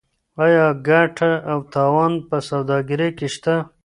آیا ګټه او تاوان په سوداګرۍ کې شته؟